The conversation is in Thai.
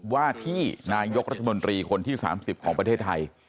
ว่าที่นายกรัฐมนตรีคนที่๓๐ของประเทศไทย